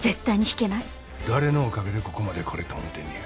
誰のおかげでここまで来れた思てんねや。